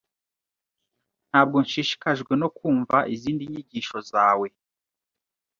Ntabwo nshishikajwe no kumva izindi nyigisho zawe.